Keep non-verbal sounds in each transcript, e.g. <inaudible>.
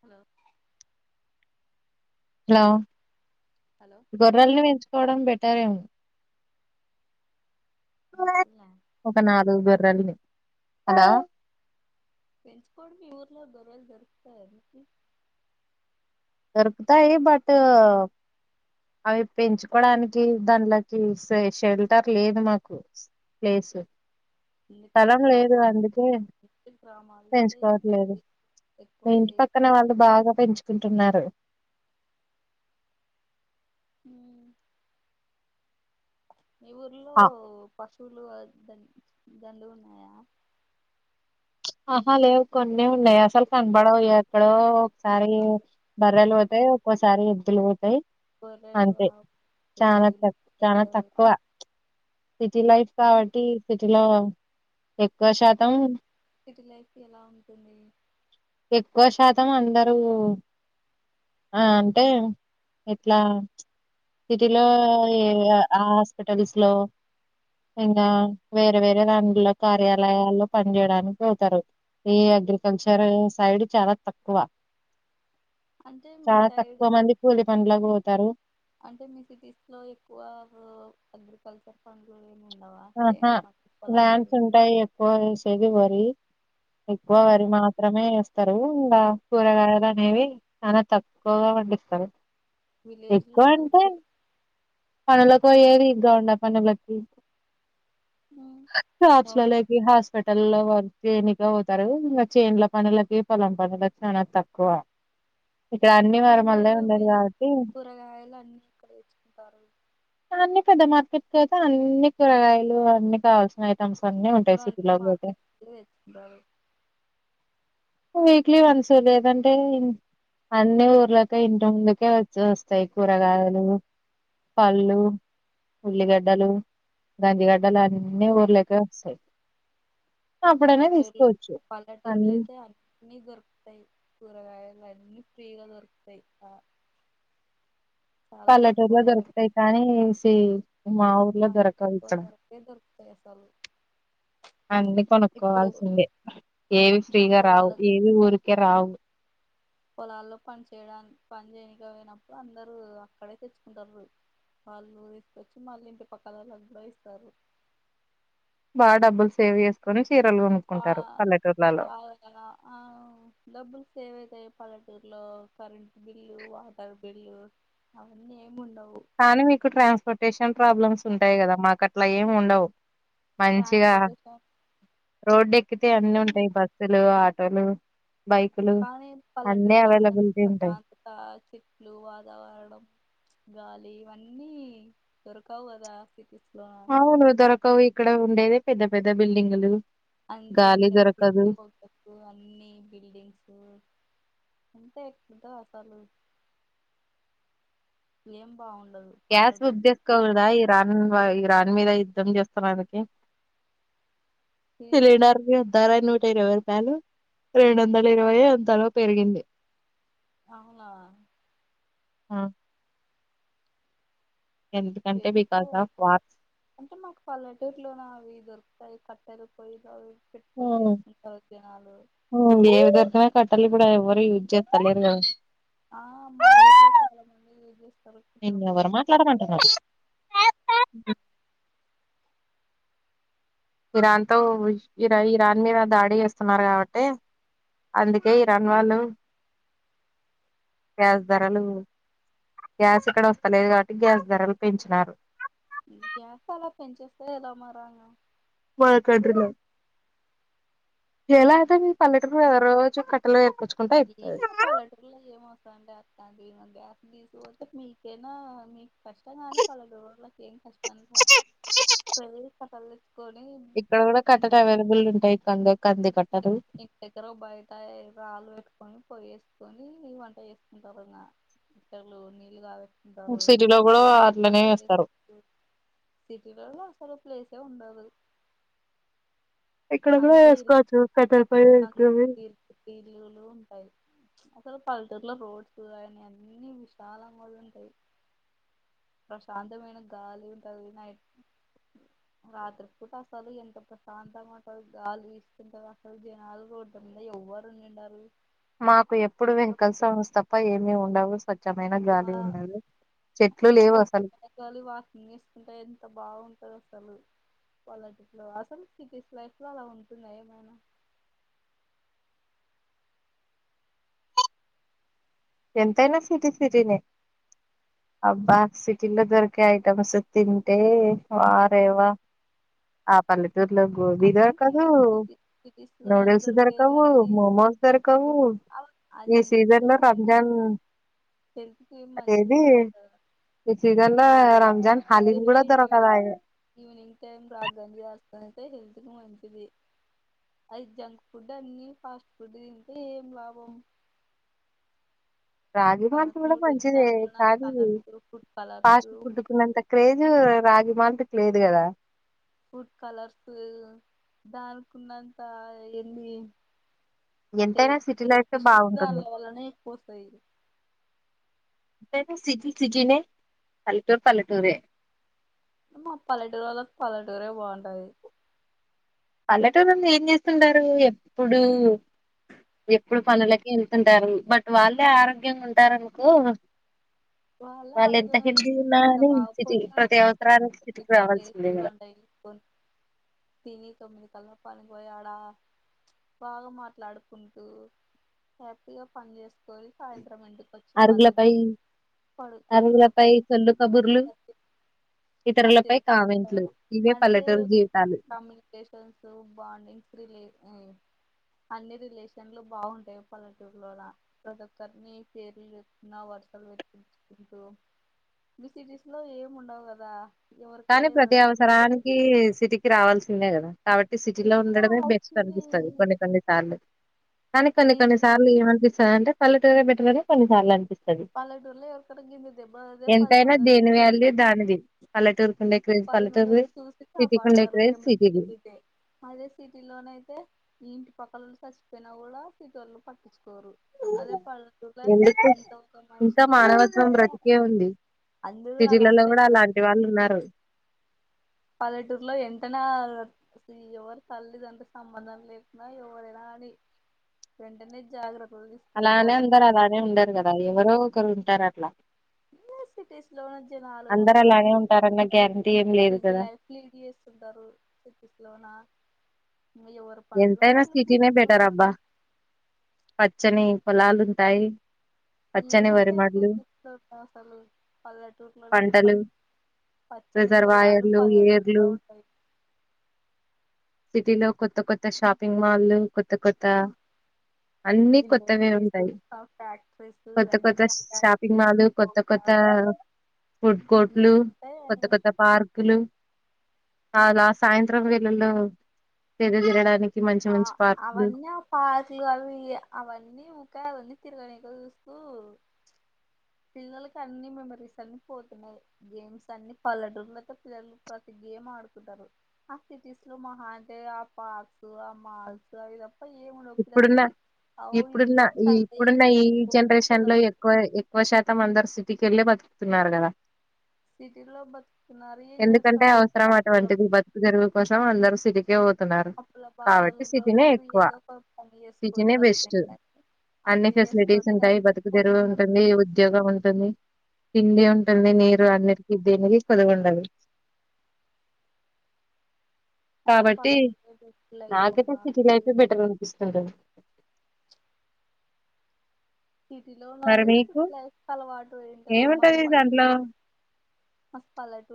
Hello లో hello hello గొర్రల్ని పెంచుకోవడం బెటర్ ఏమో గొర్రెల్నా ఒక నాలుగు గొర్రెల్ని హలో పెంచుకోండి మీ ఊర్లో గొర్రెలు దోరుకుతాయ మీకు దొరుకుతాయి బట్ అవి పెంచుకోడానికి దాన్లకి సే షెల్టర్ లేదు మాకు ప్లేసు ఇందుకే గ్రామాలు ఇ గ్రామాలయితే పెంచుకోవట్లేదు మీ ఇంటి పక్కన వాళ్ళు బాగా పెంచుకుంటున్నారు ఉమ్ మీ ఊర్లో ఆ, పశువులు దం దండుగున్నాయా ఆహ లేద్ కొన్ అన్ని ఉన్నా సరి కనబడవు ఎక్కడో ఒక్సారి బర్రెలు పోతే ఒక్కోసారి ఎద్దులు పో పోతాయి గోరెల్లు అంతే ఆవ్ చాలా తక్ చాలా తక్కువ సిటీ లైఫ్ అన్ కాబట్టి సిటీలో ఎక్కువ సిటీ శాతం లైఫ్ సిటీ లైఫ్ ఎలా ఉంటుంది ఎక్కువ శాతం అందరూ ఆ అంటే ఇట్లా సిటీలో ఏ ఆ హాస్పిటల్స్ లో ఇంగ వేరే వేరే దాంట్లుల కార్యాలయాల్లో పని చేయడానిక్ వుతారు ఈ అగ్రికల్చర్ సైడ్ చాలా తక్కువ అంటే మీ చాలా సైడ్ తక్కువ మంది కూలి పన్లకు పో అంటే మీ సిటీస్ లో ఎక్కువ ఉ అగ్రికల్చర్ పనులు ఏమి ఉండవా ఆహా చేను పంట పొలాలు ల్యాండ్స్ ఉంటాయి ఎక్కువ వేసేది వరి ఎక్కువ ఆ వరి మాత్రమే వేస్తారు ఉంద కూరగాయలు అనేవి చానా తక్కువగా పండిస్తారు విలేజ్ లైఫ్ పనులకి పోయేది గా ఉన్న పనులకి ఉమ్, పట్షాలోకి బాగుండవు హాస్పిటల్ లో చేనికే పోతారు ఇంకా చేనుల పనులకి పొలం పనులకి చాలా తక్కువ ఇక్కడ అన్ని అ వరమల్లే మీరు ఉండదు విజ కాబట్టి, కూరగాయలు అన్ని ఎక్కడ తెచ్చుకుంటారు అన్ని పెద్ద మార్కెట్కి పోతే అన్ని కూరగాయలు అన్ని కావల్సినయి తీసులో అన్ని మార్కెట్ కేలే తెచ్చుకుంటారు వీక్లీ వన్స్ ఎలా తింటారు అన్ని ఊర్లకె ఇంటి ముందుకే వచ్చేస్తాయి కూరగాయలు పళ్ళు ఉల్లిగడ్డలు గంజీగడ్డలు అన్ నీ ఊరిలోకే ఓస్థాయి పల్లెటూర్లూ పల్లెటూర్లో అన్ని అయితే అ న్నీ దొరుకుతాయి కూరగాయలు అన్ని ఫ్రీగా దొరుకుతాయి ఆ చాలా తక్కువ పల్లెటూరులో ధరకు దొరుకుతాయి కానీ సి మా ఊర్లో దొరకవు ఇక్కడ పైసలు అన్నీ కొనుక్కోవాల్సిందే ఏవి ఇప్పుడు ఫ్రీగా రావు పొలాల ఏవి ఊరికే రావు పొలాల్లో పని చేయడా పని చేయనికే పోయినప్పుడు అందరు అక్కడే తెచ్చుకుంటారు వాళ్ళు తీసుకొచ్చి మళ్ళ ఇంటి పక్కవాళ్ళకు కూడా ఇస్తారు బా డబ్బులు సేవ్ చేసుకొని చీరలు బా కొనుక్కుంటారు పల్లెటూర్లలో బాగా ఆ డబ్బుల్ సేవ్ అయితయి పల్లెటూరులో కరెంట్ బిల్లు వాటర్ బిల్లు అవన్నీ ఏ కానీ మీకు ట్రాన్స్పోర్టేషన్ ప్రాబ్లమ్స్ ఉంటాయి కదా మాకు అట్లా ఏం ఉండవు మంచిగా ట్రాన్స్పోర్టేషన్ రోడ్డు ఎక్కితే అన్ని అంటే ఉంటాయి బస్సులు ఆ టోలు కానీ పల్లెటూరులో ఉన్న ఉంటాయి ప్రశాంతత చెట్లు వాతావరణం గాలి ఇవన్నీ దొరకావు కదా సిటి అవును దొరకవు ఇక్కడ ఉండేదే పెద్ద పెద్ద బిల్డింగులు అంత గాలి ఇండస్ట్రీస్ దొరకదు పోత అన్ని బిల్డింగ్స్ అంతే ఎట్లా ఉంటది అసలు ఏం బాగుండదు గ్యాస్ పల్లెటూరులో బుక్చేసుకోకుడా బాగుంటది ఈ రన్ దాని మీద యుద్ధం చేస్తున్ననీకి సిలిండర్ ధర నూట ఇరవై రూపాయలు ఏడు వందల ఇరవైఓ ఎంతనో పెరిగింది అవునా ఆ ఎందుకంటే చెపూ బికాస్ ఆఫ్ వార్స్. అంటే మాకు పల్లెటూరిలో నా అవి దొర్ తయి కట్టలు పోయి చాలు <unintelligible> పూడే అవి ఎవరూ యూస్ జేతలేరు కదా ఆ మా ఊర్లో చాలా మంది యూస్ చే నిన్ను ఎవరు మాట్లాడమంటున్నరు ఇరాన్ తో ఇరా ఇరాన్ మీద దాడి చేస్తున్నారు కాబట్టి అందుకే ఇరాన్ వాళ్ళు గ్యాస్ ధరలు గ్యాస్ ఇక్కడ వస్తా లేదు కాబట్టి గ్యాస్ ధరలు పెంచినారు గ్యాస్ చాలా పెంచెస్తె ఏల మర ఎలా ఐతే మీ పల్లెతీరులో రోజు కట్టలేఏరుకచ్చు నీకు ఏం పల్లెటూరులో <unintelligible> ఏమో గ్యాస్ తీసుకపోతే మీకేనా మీకు కష్టం గాను పల్లేటూరోళ్ళకి ఏం <unintelligible> ఇక్కడ గూడా కట్టట్ అవైలబుల్ ఉంటాయ్ ఇన్ ఇంటి దగ్గర బయటా రాళ్ళు పెట్టుకొని పోగు చేసుకొని నీ వంట చేసుకుంటారు వదిన ముస్లోలు నీళ్లు కాబట్ కుంటారు సిటీలో కూడా అట్లనే వేస్తారు. <inaudible> ఉండదు ఇక్కడ కూడా అంతే ఇరు వేసుకోవచ్చు ఇర్ పెద్దలపై <unintelligible> వేసుకుని ఇరుకు ఇల్లులు ఉంటాయ్ సలు పల్టూరులో రోడ్స్ గానీ అన్నీ విశాలంగా ఉంటాయి ప్రశాంతమైన గాలి ఉంటది నైట్ రాత్రి పూట అసలు ఎంత ప్రశాంతంగా అహ్ గాలి వీస్తుంటాది అసలు జనాలు రోడ్ల మిద ఎవ్వరు నిండారు మాకు ఎప్పుడు మేము వెహికిల్ సౌండ్స్ తప్ప ఏమి ఉండవు స్వ మా <unintelligible> లేవు అసలు వాకింగ్ చుసుకుంటే ఎంత బావుం టో అసలు వాలాంటి వాసన సిటీస్ లైఫ్ లో అలా ఉంటుంద ఏమైనా ఎంతైనా సిటీ సిటీనే అబ్బా సిటీలో దొరికే ఐటమ్స్ తింటే వారేవా ఆ పల్లి ర్లో గోబీ అన్ని దొరకదు సిటీ సిటీస్ లో నూడిల్స్ దొరకవు మెమోస్ దొరకవు ఔ ఆహ్ జంక్ ఫుడ్ ఎ మ జన్ హెల్త్ కి మంచిది కాదురా ఈ సీజన్ ల రంజాన్ హాలీమ్ గూడ ఈ దొరకదాయే టె హెల్త్ కి మంచిది అది జంక్ ఫుడ్ అన్ని ఫాస్ట్ ఫుడ్ తింటే ఏం లాభం రాగి మల్ట్ అవన్నీ కూడా నూడిల్స్ మంచిదే దాంట్లోన కానీ colours food fast colours food కున్నంత క్రేజు రాగి మాల్ట్ కు లేదు గదా ఫుడ్ కలర్స్ ఉ దానికున్నంత ఏంది ఎంతైనా హెల్ సిటీ లైఫే హెల్త్ ఇష్యూస్ బాగుంటుంది. దానిలొ వల్లనే ఎక్కువొస్తాయి ఎంతైనా సిటీ సిటీనే పల్లెటూరు పల్లెటూరే మా పల్లెటూరు ఒళ్లక్ పల్లెటూరే బావుంటది పల్లెటూరోళ్లు ఏం చేస్తుంటరూ ఎప్పుడూ ఎప్పుడు పనులకి వెళ్తుంటారు బట్ వాళ్ళే ఆరోగ్యంగా ఉంటారనుకో వాళ్ళే వాళ్ళు ఎంత ఆరోగ్యగుర్రు హెల్తీగా ఉన్నా ఎంత గాని బా సిటీ పొద్దున ప్రతి అవసరానికి సిటీకి రావాల్సిందే <unintelligible> కదా. వంట చేసుకొని తిని తొమ్మిది కల్ల పనికి పోయి ఆడా బాగా మాట్లాడుకుంటూ హ్యాపీగా పని చేసుకొని సాయంత్రం ఇంటి కొచ్చి మళ్ళి అరుగులపై తిన్ అరుగులపై సొల్లు కబుర్లు ఇతరులపై కాసేపు కామెంట్లు మాట్లాడి ఇవే అంటే పల్లెటూరు జీవితాలు. కమ్యూనికేషన్స్ బాండింగ్స్ రిలే అయి అన్ని రిలేషన్లు బావుంటాయి పల్లెటూర్లోలా ప్రతి ఒక్కరిని పేర్లు పెటుకున్నా వర్సలు పె పిల్చుకుంటూ మీ సిటీస్ లో ఏం ఉండవు గదా కానీ ప్రతి అవసరానికి సిటీకి రావాల్సిందే గదా కాబట్టి సిటీలో సిటీకి ఉండడమే బెస్ట్ రావాల్సింది అనిపిస్తది కొన్ని కొన్ని సార్లు కానీ కొన్ని ఈ కొన్నిసార్లు ఏమనిపిస్తదంటే పల్లెటూరే బెటరని కొన్నిసార్లు అనిపిస్ పల్లెటూర్లో ఎవరికన్న గింత దెబ్బ తాక్తే పది ఎంతైనా మంది వచ్చి దేని వాల్యూ చూత్తరు దానిది పల్లెటూరుకు ఉండే క్రేజ్ పది మంది పల్లెటూరుది ఒచ్చి చూసి సిటీకి ఉండే కాపాడతారు క్రేజ్ ఏమన్న సిటీది జరిగితే అదే సిటీలోనయితే ఇంటి పక్కలోల్లు సచ్చిపోయినా గూడా సిటోళ్ళు పట్టించుకోరు అదే పల్లెటూర్లో ఎందుకు ఐతే ఇంకా మానవత్వం బ్రతికే ఉంది అందరూ సిటీలలో అలర్ట్ కూడా అయితారు అలాంటి వాళ్ళు ఉన్నారు పల్లెటూరులో ఎంటనా ఎవరు తల్లితండ్రి సంబంధం లేకున్నా ఎవరైనా ని వెంటనే జాగ్ర అలానే అందరు అలానే ఉండరు కదా ఎవరో ఒకరు ఉంటారు అట్లా <unintelligible> అందరు అలానే ఉంటారన్న గ బీసీ లైఫ్ లో ఇది చేస్తుంటారు సిపిస్ లోనా ఎంతైనా సిటీనే బెటర్ అబ్బా ఉంటారు పచ్చని పోలాలు ఉంటాయి పచ్చని ఏముంటాయి వరిమడ్లు టకెట్ దొరకవు అసలు పల్లెటూర్లోనే ప పంటలు పచ్చని పొలాలు రిజర్వాయర్లు పల్లెటూర్లో ఏర్లు ఎక్కువ ఉంటాయి సిటీలో కొత్త కొత్త షాపింగ్ మాల్లు కొత్త కొత్త అన్ని కొత్తవే ఇండస్ట్రీస్ ఉంటాయి. ఫ్యాక్టరీస్ కొత్త కొత్త అన్ని షాపింగ్ ఫ్యాక్టరీస్ మాల్ పో కొత్త కొత్త ఫుడ్ కోర్ట్లు, కొత్త ఉంటాయని కొత్త పార్కులు అలా సాయంత్రం వెళ్ళల్లో ఆ అవన్న పార్కులు అవి అవన్నీ ఉకావన్నీ తిరుగానీకు చస్తూ పిల్లలకి అన్ని మెమరీస్ అన్ని పోతున్నాయి గేమ్స్ అన్ని పల్లెటూర్లతో పిల్లలు ప్రతి గేమ్ ఆడుకుంటారు ఆ సిటీస్లో మహాంటే ఆ పార్క్స్ ఆ మాల్స్ ఏమి ఉండవు ఇప్పుడున్న పిల్లలకి అవు ఇప్పుడున్న గేమ్స్ ఈ అంటే ఇప్పుడున్న ఈ ఏంటికో కూడా జనరేషన్ లో తెలవవు ఎక్కువ ఎక్కువ శాతం అందరు సిటీకెళ్ళే బతుకుతున్నారు కదా సిటీలో బతుకుతున్నారు ఏం ఎందుకంటే చేస్తావు అవసరం అప్పుల అటువంటిది బతుకు తెరుగు కోసం అందరు సిటీకే పోతున్నారు అప్పుల కాబట్టి సిటీనే బాధలతోని ఎక్కువ ఏదో ఒక పని సిటీ చేసుకొని నే బెస్ట్ బతికే అన్ని అప్పులు ఫెసిలిటీస్ చేసుకొని ఉంటాయి రైతులు బతుకు తెరుగు ఉంటుంది పోతున్నారు ఉద్యోగం ఉంటుంది తిండి ఉంటుంది నీరు అన్నిటికి దేనికి కోదువు ఉండది అ కాబట్టి పల్లెటూర్లో బెస్ట్ లైఫ్ అబ్బ హలో సిటీలో ఉన్న వాళ్ళు సిటీ లైఫ్ అలవాటు ఏంటారు మాం ఏముంటది పల్లలకు దాంట్లో వస్ పాలట్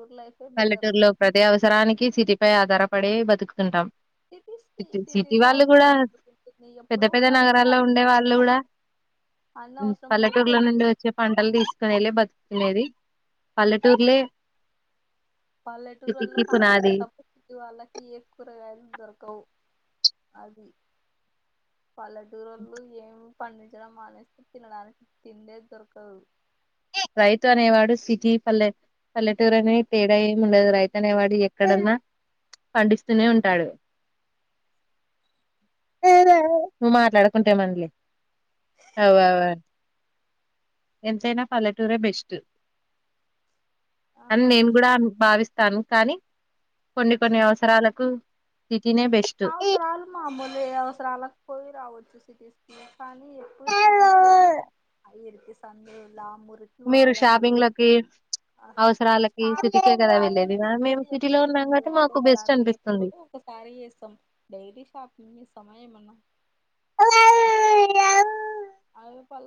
పల్లెటూరులో ప్రతి అవసరానికి సిటీ పై ఆధారపడి బతుకుతుంటాం సిటీస్ టీ సిటీ సిటీస్ వాళ్ళు అవసరం కూడా ఎందుకు ఉంటుంది పెద్ద ఎప్పుడో పెద్ద ఒకసారి పోయి నగరాల్లో ఉండే అన్ని వాళ్ళు కూడా అన్ని ఉ అవసరం ఉన్నట్టు పల్లెటూర్ల నుండి తెచ్చుకోవచ్చు వచ్చే పంటలు తీసుకునేళ్ళి బతు తినేది పల్లటూరిలే పల్లెటూరు వాళ్లో పండిస్తే తప్ప వాళ్ళకి ఏ కూరగాయలు దొరకవు అది పల్లెటూరోలు ఏం పండు జరం మా లేస్తే తినడానికి తిండే దొరకదు రైతు అనేవాడు సిటీ పల్లె పల్లెటూరు అనే తేడా ఏమి ఉండదు రైతు అనేవాడు ఎక్కడన్నా పండిస్తూనే ఉంటాడు నువ్వు మాట్లాడుకుంటే అవు అవు ఎంతైనా పల్లెటూరే బెస్ట్ ఆ అని మరి నేను కూడా భావిస్త ను కానీ కొన్ని కొన్ని అవసరాలకు సిటీనే బెస్ట్ అవసరాలు మామూలె అవసరలాకు పోయి రావచ్చు సిటీస్కి కానీ ఎప్పుడు సిటీస్ ల తెల్సా ఆ ఇరుకు సందే ఆ మురికి మీరు వాడలు షాపింగ్ లకి ఆహా అవసరాలకి షాపి సిటీకే కదా షాపిని వెళ్ళేది మేము తీసేది సిటీలో ఎప్పుడు ఉన్నాం అండి కాబట్టి వరకు మాకు బెస్ట్ ఒకసారి ఎప్పుడో అనిపిస్తుంది ఒక సారి ఇస్తాం డేలీ షూపింగ్ చేస్తామ ఏమైనా అయ్యే పాల